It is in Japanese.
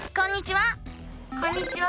こんにちは！